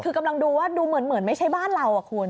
คือกำลังดูว่าดูเหมือนไม่ใช่บ้านเราอ่ะคุณ